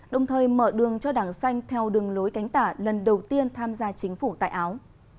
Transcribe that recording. đồng thời mở đường cho đảng xanh theo đường lối cánh tả lần đầu tiên tham gia chính phủ tại áo